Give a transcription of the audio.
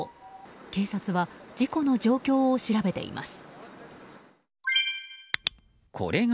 警察は事故の状況を調べています。